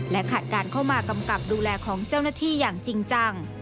ขาดการเข้ามากำกับดูแลของเจ้าหน้าที่อย่างจริงจัง